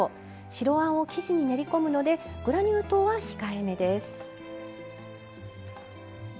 白あんを生地に練り込むのでグラニュー糖は控えめです。